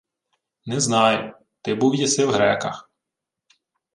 — Не знаю. Ти був єси в греках...